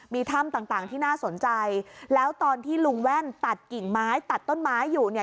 มีถ้ำต่างที่น่าสนใจแล้วตอนที่ลุงแว่นตัดกิ่งไม้ตัดต้นไม้อยู่เนี่ย